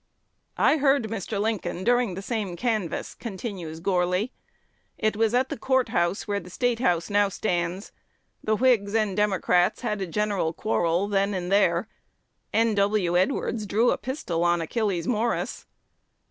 "I heard Mr. Lincoln during the same canvass," continues Gourly. "It was at the Court House, where the State House now stands. The Whigs and Democrats had a general quarrel then and there. N. W. Edwards drew a pistol on Achilles Morris."